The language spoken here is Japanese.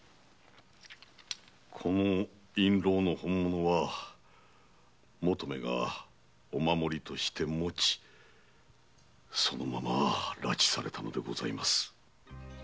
この印籠の本物は求馬がお守りとして持ちそのまま拉致されたのでございます。